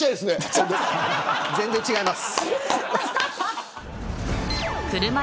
全然違います。